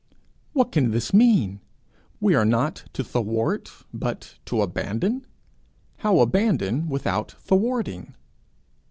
'What can this mean? we are not to thwart, but to abandon? How abandon, without thwarting?'